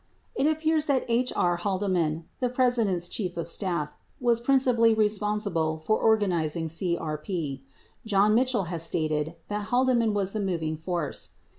It appears that H. R. Haldeman, the President's chief of staff, was principally responsible for organizing CRP ; J ohn Mitchell has stated that Haldeman was the moving force.